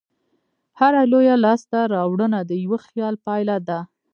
هره لویه لاستهراوړنه د یوه خیال پایله ده.